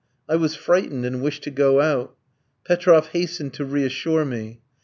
I was frightened and wished to go out. Petroff hastened to reassure me.